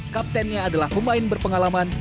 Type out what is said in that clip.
kaptennya adalah pemain berpengalaman